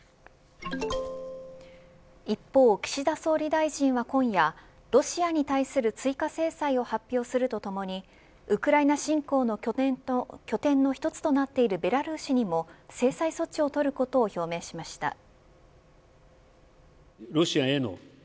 一方、岸田総理大臣は今夜ロシアに対する追加制裁を発表するとともにウクライナ侵攻の拠点の一つとなっているベラルーシにも制裁措置を取ることを表明しました。